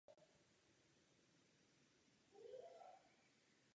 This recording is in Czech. Ve své domovině roste pouze jako keř.